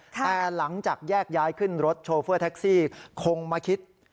แต่หลังจากแยกย้ายขึ้นรถโชเฟอร์แท็กซี่คงมาคิด